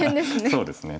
そうですね。